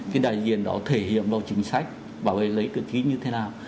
cái đại diện đó thể hiện vào chính sách và lấy cử trí như thế nào